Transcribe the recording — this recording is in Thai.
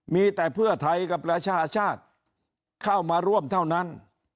มีแต่เพื่อไทยกับประชาชาติเข้ามาร่วมเท่านั้น